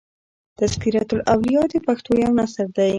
" تذکرة الاولیاء" د پښتو یو نثر دﺉ.